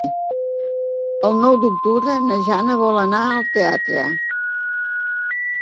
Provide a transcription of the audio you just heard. El nou d'octubre na Jana vol anar al teatre.